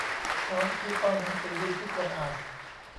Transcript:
พร้อมชี้เป้าหนังสือดีที่ควรอ่าน